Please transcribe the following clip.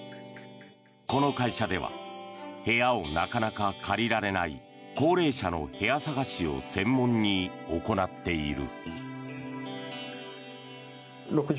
この会社では部屋をなかなか借りられない高齢者の部屋探しを専門に行っている。